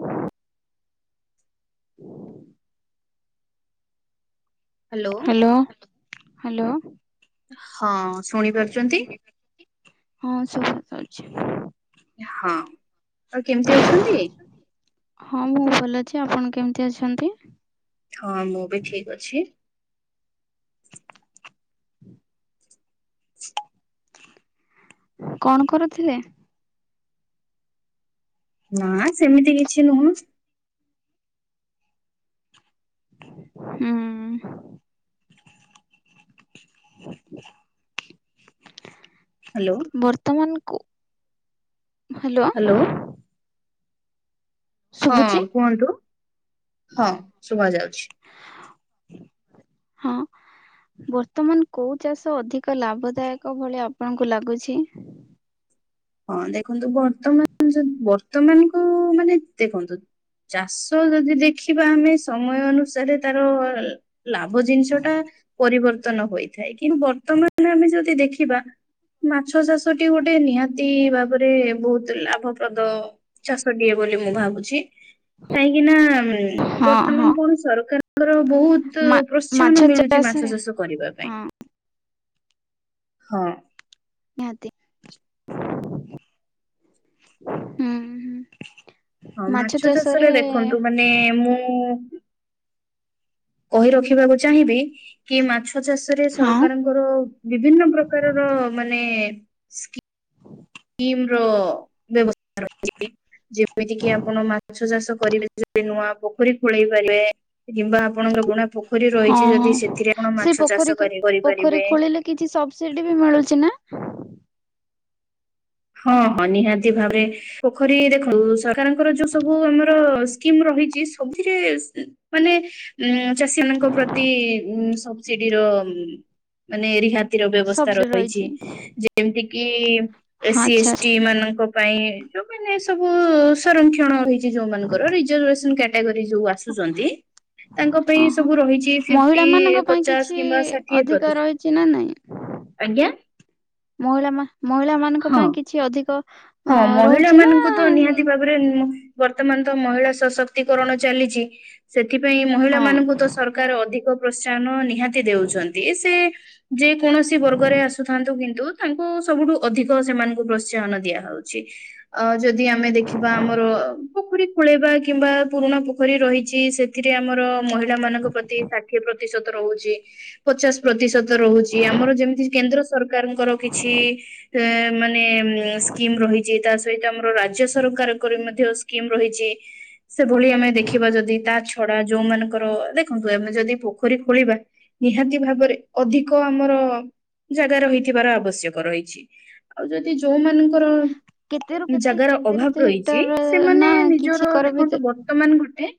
ହଁ ହୁଁ hello hello. ହଁ ଶୁଣି ପାରୁଛନ୍ତି? ହଁ ସୁଭାଯାଉଛି। ହଁ ଆଉ କେମିତି ଅଛନ୍ତି। ହଁ ମୁଁ ଭଲ ଅଛି। ଆପଣ କେମିତି ଅଛନ୍ତି? ହଁ ମୁଁ ବି ଠିକ୍ ଅଛି। [inaudible] କଣ କରୁଥିଲେ? ନା ସେମିତି କିଛି ନୁହଁ। ହୁଁ। ହ୍ୟାଲୋ। ବର୍ତ୍ତମାନକୁ ହ୍ୟାଲୋ। ଶୁଭୁଛି? ହଁ କୁହନ୍ତୁ। ହଁ ଶୁଭା ଯାଉଛି। ହଁ। ବର୍ତ୍ତମାନ କୋଉ ଚାଷ ଅଧିକ ଲାଭଦାୟକ ଭଳିଆ ଆପଣଙ୍କୁ ଲାଗୁଛି? ହଁ ଦେଖନ୍ତୁ ବର୍ତ୍ତମାନ [inaudible] ଯ [inaudible] ବର୍ତ୍ତମାନକୁ ମାନେ ଦେଖନ୍ତୁ ଚାଷ ଯଦି ଦେଖିବା ଆମେ ସମୟ ଅନୁସାରେ ତାର ଲାଭ ଜିନିଷ ଟା ପରିବର୍ତ୍ତନ ହୋଇଥାଏ। କିନ୍ତୁ ବର୍ତ୍ତମାନ [inaudible] ଆମେ ଯଦି ଦେଖିବା ମାଛ ଚାଷଟି ଗୋଟେ ନିହାତି ଭାବରେ ବହୁତ ଲାଭପ୍ରଦ। ଚାଷ ଟିଏ ବୋଲି ମୁଁ ଭାବୁଛି। କାହିଁକି ନା ହଁ ହଁ ବର୍ତ୍ତମାନ କଣ ସରକାର ଙ୍କର ବହୁତ ମା ମାଛ ପ୍ରୋତ୍ସାହନ ମିଳୁଛି ଚାଷରେ ମାଛ ଚାଷ କରିବା ପାଇଁ। ହଁ ହଁ। ନିହାତି ହୁଁ ହୁ। ହଁ ମାଛ ଚାଷରେ ଦେଖନ୍ତୁ ମା ମାନେ ମୁଁ କହି ରଖିବାକୁ ଚାହିଁବି। କି ମାଛ ଚାଷରେ ହଁ ସରକାରଙ୍କର ବିଭିନ୍ନ ପ୍ରକାରର ମାନେ ସ୍କି କିମ୍ ର ବ୍ୟବସ୍ଥା ର [inaudible] ହିଛି ଯେମିତି କି ଆପଣ ମାଛ ଚାଷ କରିବେ। ଯଦି [inaudible] ନୂଆ [inaudible] ପୋଖରୀ ଖୋଳେଇ ପାରିବେ କିମ୍ବା [inaudible] ଆପଣଙ୍କର ଗୁଣା ପୋଖରୀ ହଁ ରହିଛି ଯଦି ହଁ ସେଥିରେ ଆପଣ ସେ ମାଛ ପୋଖରୀ ଚାଷ ପୋଖରୀ କରିପାରିବେ। ଖୋଳିଲେ କିଛି ସବସିଡି ବି ମିଳୁଛି ନା? ହଁ [inaudible] ହଁ [inaudible] ନିହାତି [inaudible] ଭାବରେ। ପୋଖରୀ [inaudible] ଦେଖନ୍ତୁ [inaudible] ସରକାରଙ୍କର [inaudible] ଯୋଉ ସବୁ ଆମର କିମ୍ ରହିଛି ସବୁରେ ମାନେ ଉଁ ଚାଷୀ ମାନଙ୍କ ଉଁ ପ୍ରତି ସବସିଡିର ମାନେ ରିହାତି ତି ର ବ୍ୟବସ୍ଥା [inaudible] ରହିଛି [inaudible] ଯେମିତି କିି ହଁ ଏସି, ଆଚ୍ଛା ଏସ୍ ଆଚ୍ଛା ଟି ମାନଙ୍କ ପାଇଁ ଯୋଉମାନେ ସବୁ ସଂରକ୍ଷଣ ରହିଛି। ଯୋଉଁ ମାନଙ୍କର ରିଜର୍ଭସନ କାଟାଗୋରି ଯୋଉ ଆସୁଛନ୍ତି। ତାଙ୍କ ହଁ ପାଇଁ ହଁ। ସବୁ ରହିଛି ମହିଳା ଫିଫ୍ଟି, ମାନଙ୍କ ପାଇଁ ପଚାଶ କିଛି କିମ୍ବା ଷାଠିଏ ଅଧିକ ପ୍ରତିଶତ। ଆଜ୍ଞା। ମହିଳାମା ମହିଳା ମାନଙ୍କ ହଁ ପାଇଁ କିଛି ଅଧିକ ହଁ ଅ ମହିଳା ରହୁଛି ନା ମାନଙ୍କୁ ତ ନିହାତି ଭାବ ଉପରେ ବର୍ତ୍ତମାନ ତ ମହିଳା ସଶକ୍ତିକରଣ ଚାଲିଛି। ସେଥିପାଇଁ ହଁ ମହିଳାମାନଙ୍କୁ ତ ସରକାର ଅଧିକ ପ୍ରୋତ୍ସାହନ ନିହାତି ଦଉଛନ୍ତି ସେ ଯେକୌଣସି ବର୍ଗରେ ଆସୁଥାନ୍ତୁ କିନ୍ତୁ ତାଙ୍କୁ ସବୁଠୁ ଅଧିକ ସେମାନଙ୍କୁ ପ୍ରୋତ୍ସାହନ ଦିଆ ଯାଉଛି। ଅ ଯଦି ଆମେ ଦେଖିବା ଆମର ପୋଖରୀ ଖୋଳେଇବା କିମ୍ବା ପୁରୁଣା ପୋଖରୀ ରହିଛି ସେ ଥିରେ ଆମର ମହିଳା ମାନଙ୍କ ପ୍ରତି ଷାଠିଏ ପ୍ରତିଶତ ରହୁଛି। ପଚାଶ ପ୍ରତିଶତ ରହୁଛି ଆମର ଯେମିତି କେନ୍ଦ୍ର ସରକାରଙ୍କର କିଛି ଏଁ ମାନେ ଉଁ ସ୍କିମ୍ ରହିଛି ତା ସହିତ ଆମର ରାଜ୍ୟ ସରକାରଙ୍କର ମଧ୍ୟ ସ୍କିମ୍ ରହିଛି। ସେଭଳି ଆମେ ଦେଖିବା ଯଦି ତା ଛଡା ଯୋଉମାନଙ୍କର ଦେଖନ୍ତୁ ଆମେ ଯଦି ପୋଖରୀ ଖୋଳିବା ନିହାତି ଭାବରେ ଅଧିକ ଆମର ଜାଗା ରହିଥିବାର ଆବଶ୍ୟକ ରହିଛି। ଆଉ ଯଦି ଯୋଉମାନ କେତେରୁ ଙ୍କର କେତେ ଜାଗାର କେତେରୁ ଅଭାବ କେତେ ରହିଛି ହେକ୍ଟର ନା ସେମାନେ କିଛି ନିଜର କର ଦେଖନ୍ତୁ ଭିତରେ ବର୍ତ୍ତ [unintelligible] ଗୋଟେ?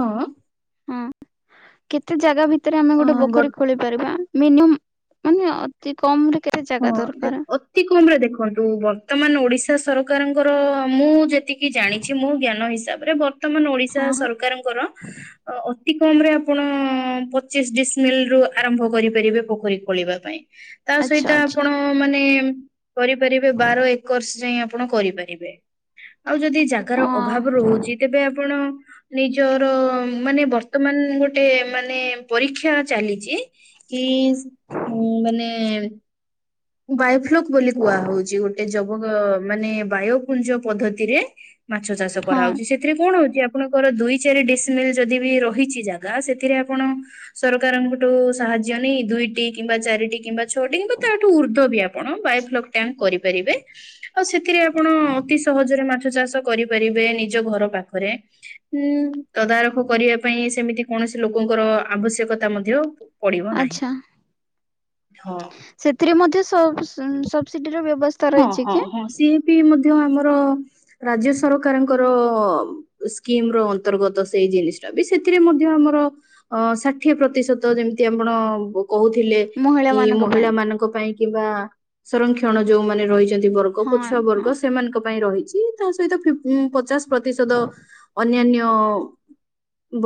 ହଁ। ହଁ କେତେ ଜାଗା ଭିତେରେ ଆମେ ଅ ଗୋଟେ ବର୍ ପୋଖରୀ ଖୋଳି ପାରିବା? ମିନିୟମ୍ ମାନେ ଅତି କମରେ କେ ହଁ ଦେଖ୍ ଅ ତି କମରେ ଦେଖନ୍ତୁ ବର୍ତ୍ତମାନ ଓଡିଶା ସରକାରଙ୍କର ମୁଁ ଯେତିକି ଜାଣି ଛି ମୋ ଜ୍ଞାନ ହିସାବରେ ବର୍ତ୍ତମାନ ଓଡିଶା ହଁ ସରକାରଙ୍କର ଅତି କମରେ ଆପଣ ପଚିଶ ଡିସ୍ମିଲ୍ ରୁ ଆରମ୍ଭ କରିପାରିବେ ପୋଖରୀ ଖୋଳିବା ପାଇଁ। ତା ଆଚ୍ଛା ସହିତ ଆଚ୍ଛା ଆପଣ ମାନେ କରିପାରିବେ ବାର ଏକର୍ସ ଯାଏଁ ଆପଣ କରିପାରିବେ। ଆଉ ଯଦି ଜାଗାର ହଁ ଅଭାବ ରହୁଛି ତେବେ ଆପଣ ନିଜର ମାନେ ବର୍ତ୍ତମାନ ଗୋଟେ ମାନେ ପରୀକ୍ଷା ଚାଲିଛି। କିସ୍ ଉଁ ମାନେ ବାୟୋଫ୍ଲକ୍ ବୋଲି କୁହାହଉଛି ଗୋଟେ ଜବ ମାନେ ବାୟୋପୁଞ୍ଜ ପଦ୍ଧତିରେ ମାଛ ଚାଷ ହଁ କରାହଉଛି ସେ ସେଥିରେ କଣ ହଉଛି ଆପଣଙ୍କର ଦୁଇ ଚାରି ଡିସ୍ମିଲ୍ ଯଦି ବି ରହିଛି ଜାଗା ସେଥିରେ ଆପଣ ସରକାରଙ୍କଠୁ ସାହାଯ୍ୟ ନେଇ ଦୁଇଟି କିମ୍ବା ଚାରିଟି କିମ୍ବା ଛଅଟି କଥା [unintelligible] ଉର୍ଦ୍ଧ୍ବ ବି ଆପଣଙ୍କ ବାୟୋଫ୍ଲକ୍ [unintelligible] କରିପାରିବେ। ଆଉ ସେଥିରେ ଆପଣ ଅତି ସହଜରେ ମାଛ ଚାଷ କରିପାରିବେ ନିଜ ଘର ପାଖରେ। ଉଁ ତଦାରଖ କରିବା ପାଇଁ ସେମିତି କୌଣସି ଲୋକଙ୍କର ଆବଶ୍ୟକତା ମଧ୍ୟ ପଡିବ ନାହିଁ ଆଚ୍ଛା ହଁ। ସେଥିରେ ମଧ୍ୟ ସବ୍ସି-ସବ୍ସିଡିର ବ୍ୟବସ୍ ହଁ ହଁ ହଁ ସିଏ ବି ମଧ୍ୟ ଆମର ରାଜ୍ୟ ସରକାରଙ୍କ ର ସ୍କିମର ଅନ୍ତର୍ଗତ ସେଇ ଜିନିଷଟା ବି। ସେଥିରେ ମଧ୍ୟ ଆମର ଅଁ ଷାଠିଏ ପ୍ରତିଶତ ଯେମିତି ଆପଣ ବ କହୁଥିଲେ ମହିଳା କି ମାନଙ୍କ ପାଇଁ ମହିଳାମାନଙ୍କ ପାଇଁ କିମ୍ବା ସଂରକ୍ଷଣ ଯୋଉମାନେ ରହିଛନ୍ତି ବର୍ଗ ହଁ ପଛୁଆ ହଁ ବର୍ଗ ସେମାନଙ୍କ ପାଇଁ ରହିଛି। ତା ସହିତ ଫିଫ୍ ଉଁ ପଚାଶ ପ୍ରତିଶତ ଅନ୍ୟାନ୍ୟ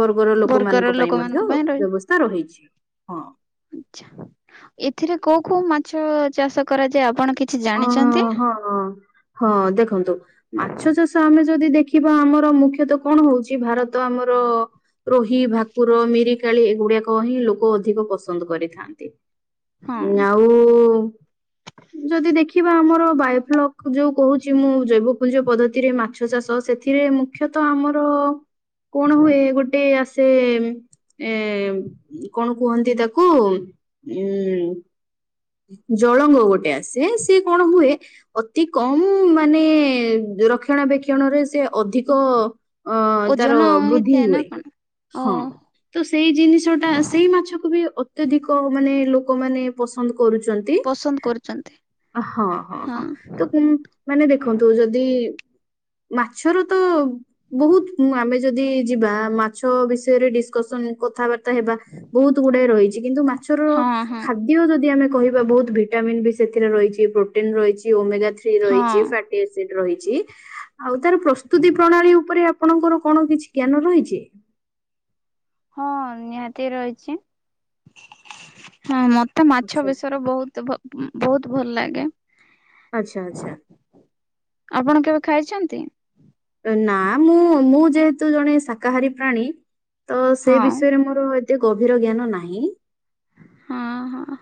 ବର୍ଗର ବର୍ଗର ଲୋକମାନଙ୍କ ପାଇଁ ମଧ୍ୟ ଲୋକମାନଙ୍କ ପାଇଁ ବ୍ୟବସ୍ଥା ରହିଛି ହଁ। ଆଚ୍ଛା ଏଥିରେ କୋଉ କୋଉ ମାଛ ଚାଷ କରାଯାଏ ଆପଣ କିଛି ଅ ଜାଣିଛନ୍ତି? ହଁ ହଁ ଦେଖନ୍ତୁ ମାଛ ଚାଷ ଆମେ ଯଦି ଦେଖିବା ଆମର ମୁଖ୍ୟତଃ କଣ ହଉଛି ଭାରତ ଆମର ରୋହି, ଭାକୁର, ମିରିକାଳି ଏଗୁଡାକ ହିଁ ଲୋକ ଅଧିକ ପସନ୍ଦ କରିଥାନ୍ତି। ହଁ ଆଉ ଯଦି ଦେଖିବା ଆମର ବାୟୋଫ୍ଲକ୍ ଯୋଉ କହୁଛି ମୁଁ ଜୈବପୁଞ୍ଜ ପଦ୍ଧତିରେ ମାଛ ଚାଷ ସେଥିରେ ମୁ ଖ୍ୟତଃ ଆମର କଣ ହୁଏ ଗୋଟେ ଆସ୍ ସେ ଉଁ ଏଁ କଣ କୁହନ୍ତି ତାକୁ ଉଁ ଜଳଙ୍ଗ ଗୋଟେ ଆସେ ସେ କଣ ହୁଏ ଅତି କମ୍ ମାନେ ରକ୍ଷଣାବେକ୍ଷଣରେ ସେ ଅଧିକ ଅଁ ତାର ଓଜନ ବୃଦ୍ଧି ହେଇଥାଏ ନା ହୁଏ କଣ? ଓ ହଁ। ତ ସେଇ ଜିନିଷଟା ସେଇ ମାଛକୁ ବି ଅତ୍ୟଧିକ ମାନେ ଲୋକମାନେ ପସନ୍ଦ କରୁଚନ୍ ପସନ୍ଦ କରୁଛନ୍ତି ହଁ ହଁ ହଁ ତ [unintelligible] ମାନେ ଦେଖନ୍ତୁ ଯଦି ମାଛର ତ ବହୁତ ଆମେ ଯଦି ଯିବା ମାଛ ବିଷୟରେ ଡିସକସନ କଥାବାର୍ତ୍ତା ହେବା ବହୁତ ଗୁଡାଏ ରହିଛି କିନ୍ତୁ ମାଛର ହଁ ହଁ ଖାଦ୍ୟ ଯଦି ଯଦି ଆମେ କହିବା ବହୁତ ଭିଟାମିନ୍ ବି ସେଥିରେ ରହିଛି ପ୍ରୋଟିନ୍ ରହିଛି ଓମେଗା ଥ୍ରୀ ରହିଛି ହଁ। ଫା ରହି ଆଉ ତାର ପ୍ରସ୍ତୁତି ପ୍ରଣାଳୀ ଉପରେ ଆ ଆପଣଙ୍କର କଣ କିଛି ଜ୍ଞାନ ରହିଛି। ହଁ ନିହାତି ରହିଛି ହଁ ମ ତ ମାଛ ଆଚ୍ଛା ବେଶର ବହୁତ ଭ ବହୁତ ଭଲ ଲାଗେ। ଆଚ୍ଛା ଆଚ୍ଛା। ଆପଣ କେବେ ଖାଇଛନ୍ତି? ନା ମୁଁ ମୁଁ ଯେହେତୁ ଜଣେ ଶାକାହାରୀ ପ୍ରାଣୀ ତ ସେ ହଁ ବିଷୟରେ ମୋର ଏ ଏତେ ଗଭୀର ଜ୍ଞାନ ନାହିଁ। ହଁ ହଁ।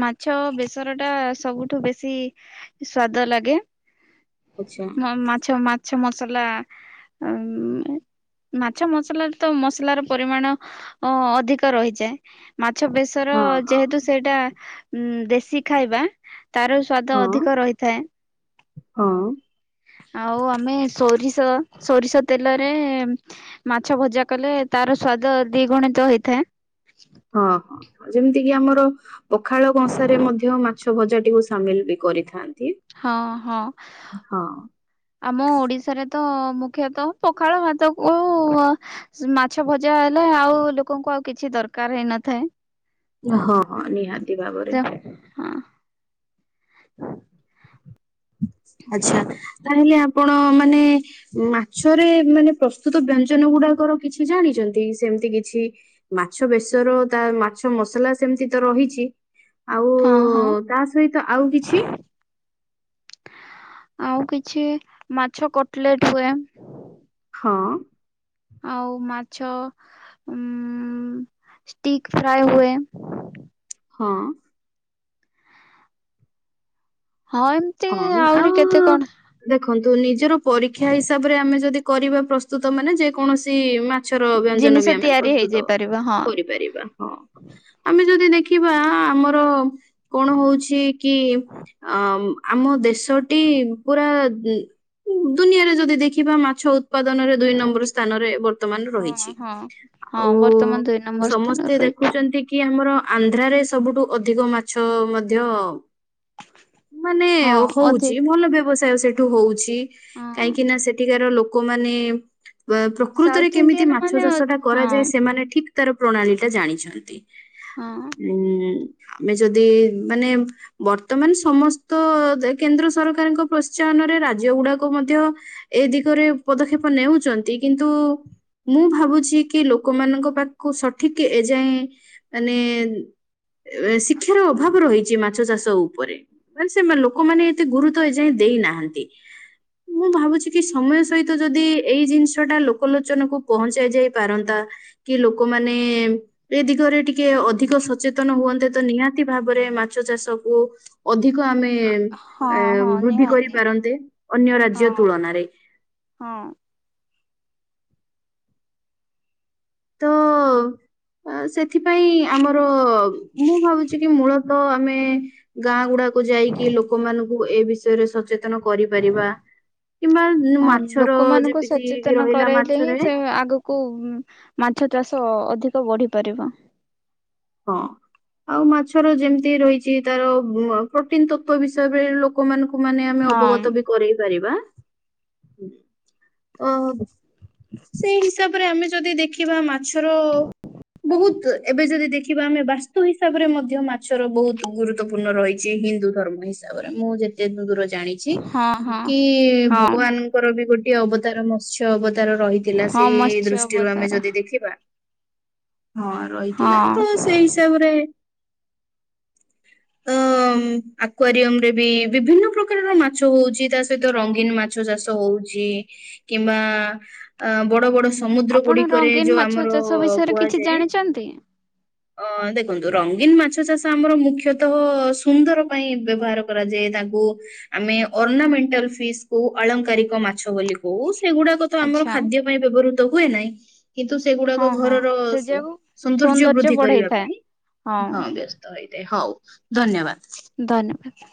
ମାଛ ବେସର ଟା ସବୁଠୁ ବେଶୀ ସ୍ଵାଦ ଲାଗେ। ଆଚ୍ଛା ମାଛ ମାଛ ମସଲା ଉ ମାଛ ମସଲାରେ ତ ମସଲାର ପରିମାଣ ଅ ଅଧିକ ରହିଯାଏ ମାଛ ବେଶୀ ର ହଁ ହଁ ଯେହେତୁ ସେଇଟା ଉ ଦେଶୀ ଖାଇବା ତାର ସ୍ଵାଦ ହଁ ଅଧିକ ରହିଥାଏ। ହଁ। ଆଉ ଆମେ ସୋରିଷ ସୋରିଷ ତେଲରେ ମାଛ ଭଜା କଲେ ତାର ସ୍ଵାଦ ଦିଗୁଣିତ ହେଇଥାଏ। ହଁ ହଁ। ଯେମିତି କିି ଆମର ପଖାଳ କଂସାରେ ମଧ୍ୟ ମାଛ ଭଜାଟିକୁ ସାମିଲ ବି କରିଥାନ୍ତି। ହଁ ହଁ। ହଁ ଆମ ଓଡିଶାରେ ତ ମୁଖ୍ୟତଃ ପଖାଳ ଭାତକୁ ମାଛ ଭଜା ହେଲେ ଆଉ ଲୋକଙ୍କୁ ଆଉ କିଛି ଦରକାର ହେଇନଥାଏ। ହଁ ହଁ ନିହାତି ଭାବରେ। ହଁ। ଆଛା ତାହେଲେ ଆପଣ ମାନେ ମାଛରେ ମାନେ ପ୍ରସ୍ତୁତ ବ୍ୟଞ୍ଜନ ଗୁଡାକର କିଛି ଜାଣିଛନ୍ତି ସେମିତି କିଛି ମାଛ ବେଶର ତା ମାଛ ମସଲା ସେମିତି ତ ରହିଛି। ଆଉ ହଁ ହଁ ହଁ ତା ସହିତ ଆଉ କିଛି? ଆଉ କିଛି ମାଛ କଟଲେଟ ହୁଏ। ହଁ। ଆଉ ମାଛ ଉ ଷ୍ଟିକ ଫ୍ରାଏ ହୁଏ। ହଁ। ହଁ। ହଁ ଆହୁରି ଆଉ କେତେ କଣ ଦେଖନ୍ତୁ ନିଜର ପରୀକ୍ଷା ହିସାବରେ ଆମେ ଯଦି କରିବା ପ୍ରସ୍ତୁତ ମାନେ ଯେ କୌଣସି ମା ମାଛର ବ୍ୟଞ୍ଜନ ବି ଜିନିଷ ଆମେ ତିଆରି ପ୍ରସ୍ତୁତ ହେଇଯାଇ ପାରିବ ହଁ କରିପାରିବା। ହଁ ଆମେ ଯଦି ଦେଖିବା ଆମର କଣ ହଉଛି କି ଅ ଆମ ଦେଶଟି ପୁରା ଦୁନିଆରେ ଯଦି ଦେଖିବା ମାଛ ଉତ୍ପାଦନରେ ଦୁଇ ନମ୍ବର ସ୍ଥାନରେ ବର୍ତ୍ତମାନ ହଁ ରହିଛି ହଁ ହଁ ଆଉ ବର୍ତ୍ତମାନ ଦୁଇ ନମ୍ବର ସ୍ଥାନରେ ସମସ୍ତେ ଦେଖ ରହିଛି ଦେଖୁଛନ୍ତି କି ଆମର ଆନ୍ଧ୍ରରେ ସବୁଠୁ ଅଧିକ ମାଛ ମଧ୍ୟ [unintelligible] ମାନେ ହଁ ଅଧି ହଉଛି ଭଲ ବ୍ୟବସାୟ ସେଠୁ ହଉଛି ହଁ କାହିଁକି ନା ସେ ସେଠିକାର ଲୋକମାନେ ସାଉଥ ପ୍ରକୃତରେ କେମିତି ଇଣ୍ଡିଆନ ମାଛ ମାନେ ହଁ ଚାଷ ଟା କରାଯାଏ ହଁ ସେମାନେ ଠିକ ତାର ପ୍ରଣାଳୀ ଟା ଜାଣିଛନ୍ତି। ହଁ ଉଁ ଆମେ ଯଦି ମାନେ ବର୍ତ୍ତମାନ ସମ ତ କେନ୍ଦ୍ର ସରକାରଙ୍କ ପ୍ରୋତ୍ସାହନରେ ରାଜ୍ୟ ଗୁଡାକୁ ମଧ୍ୟ ଏ ଦିଗରେ ପଦକ୍ଷେପ ନେଉଛନ୍ତି କିନ୍ତୁ ମୁଁ ଭାବୁଛି କି ଲୋକମାନଙ୍କ ପାଖକୁ ସଠିକ ଏଯାଏଁ ମାନେ ଶିକ୍ଷାର ଅଭାବ ରହିଛି ମାଛ ଚାଷ ଉପରେ। ସେମା ଲୋକମାନେ ଏତେ ଗୁରୁତ୍ଵ ଏ ଯାଏ ଦେଇନାହାନ୍ତି ମୁଁ ଭାବୁଛି କି ସମୟ ସହିତ ଯଦି ଏଇ ଜିନିଷ ଟା ଲୋକଲୋଚନକୁ ପହଞ୍ଚାଇ ଯାଇ ପାରନ୍ତା କି ଲୋକମାନେ ଏ ଦିଗରେ ଟିକେ ଅଧିକ ସଚେତନ ହୁଅନ୍ତେ ତ ନିହାତି ଭାବରେ ମାଛ ଚାଷକୁ ଅଧିକ ଆମେ ଏ ହଁ ହଁ ବୃଦ୍ଧି ନିହାତି କରିପାରନ୍ତେ ଅନ୍ୟ ରାଜ୍ୟ ହଁ ତୁଳନାରେ। ହଁ। ତ ଆ ସେଥିପାଇଁ ଆମର ମୁଁ ଭାବୁଛି କି ମୂଳତଃ ଆମେ ଗାଁ ଗୁଡାକୁ ଯାଇକି ଲୋକମାନଙ୍କୁ ଏ ବିଷୟରେ ସଚେତନ କରିପାରିବା। କିମ୍ବା ହଁ ମାଛର ଲୋକମାନଙ୍କୁ ଯେମିତିକି ରହିଲା ମାଛରେ କୋଉ ମାଛ ଚାଷ ଅଧିକ ବଢି ପାରିବ। ହଁ ଆଉ ମାଛର ଯେମିତି ରହିଛି ତାର ପ୍ରୋଟିନ ତତ୍ଵ ବିଷୟରେ ବି ଲୋ ଲୋକମାନଙ୍କୁ ମାନେ ଆମେ ହଁ ଅବଗତ ବି କରାଇ ପାରିବା। ହୁଁ ତ ସେଇ ହିସାବରେ ଆମେ ଯଦି ଦେଖି ଖିବା ମାଛର ବହୁତ ଏବେ ଯଦି ଦେ ଖିବା ଆମେ ବାସ୍ତୁ ହିସାବରେ ମଧ୍ୟ ମାଛର ବହୁତ ଗୁରୁତ୍ୱପୂର୍ଣ୍ଣ ରହିଛି ହିନ୍ଦୁ ଧର୍ମ ହିସାବରେ ମୁଁ ଯେ ଯେତେଦୂର ଜାଣିଛି ହଁ ହଁ କି ହଁ ଭଗବାନ ଙ୍କର ବି ଗୋଟିଏ ଅବତାର ମତ୍ସ୍ୟ ଅବତାର ରହିଥିଲା ହଁ ସେଇ ମତ୍ସ୍ୟ ଦୃଷ୍ଟିରୁ ଆମେ ଅବତାର ଯଦି ଦେଖିବା। ହଁ ରହିଥିଲା ହଁ ତ ସେଇ ହିସାବରେ ତ ଆକ୍ୱାରିୟମ ରେ ବି ବିଭିନ୍ନ ପ୍ରକାରର ମାଛ ହଉଛି ତା ସହିତ ରଙ୍ଗୀନ ମା ଛ ଚାଷ ହଉଛି କିମ୍ବା ବଡ଼ ବଡ଼ ସ ସମୁଦ୍ର ଆପଣ ଗୁଡିକରେ ଯୋଉ ଆମର କୁହାଯାଏ। କନ୍ତି ଅ ଦେଖନ୍ତୁ ରଙ୍ଗୀନ ମାଛ ଚାଷ ଆମର ମୁଖ୍ୟତଃ ସୁନ୍ଦର ପାଇଁ ବ୍ୟବହାର କରାଯାଏ ତାଙ୍କୁ ଆମେ ଅର୍ଣାମେଣ୍ଟାଲ ଫିସ୍ କହୁ ଆଳଙ୍କାରିକ ମାଛ ବୋଲି କହୁ ସେଗୁଡାକ ତ ଆମର ଆଚ୍ଛା ଖାଦ୍ୟ ପାଇଁ ବ୍ୟବହୃତ ହୁଏ ନାହିଁ। କିନ୍ତୁ ସେଗୁଡାକ ହଁ ହଁ ଘରର ସେ ଯାକୁ ସୌନ୍ଦର୍ଯ୍ୟ ବୃଦ୍ଧି କରିବା ବଢେଇଥାଏ ପାଇଁ ହଁ ବ୍ୟସ୍ତ ତ ହେଇଥାଏ ହଉ ଧନ୍ୟବାଦ। ଧନ୍ୟବାଦ।